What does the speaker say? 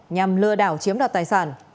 nhằm lừa đảo chiếm đoàn tài sản